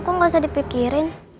kok gausah dipikirin